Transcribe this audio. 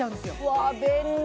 わぁ便利